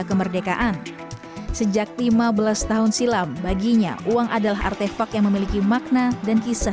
kemerdekaan sejak lima belas tahun silam baginya uang adalah artefak yang memiliki makna dan kisah